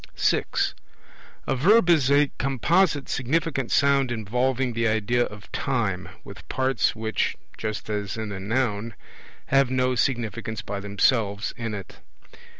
(6) A Verb is a composite significant sound involving the idea of time, with parts which (just as in the Noun) have no significance by themselves in it.